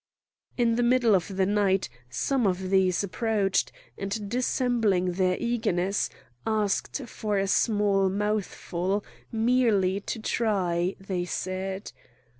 In the middle of the night some of these approached, and, dissembling their eagerness, asked for a small mouthful, merely to try, they said.